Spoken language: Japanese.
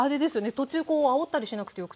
途中こうあおったりしなくてよくて。